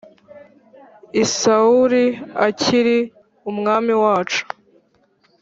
i Sawuli akiri umwami wacu